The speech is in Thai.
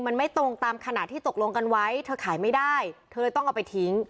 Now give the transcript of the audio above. มันไม่ตรงตามขณะที่ตกลงกันไว้เธอขายไม่ได้เธอเลยต้องเอาไปทิ้ง